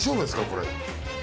これ。